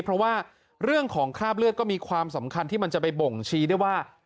เพราะว่าเรื่องของคราบเลือดก็มีความสำคัญที่มันจะไปบ่งชี้ได้ว่า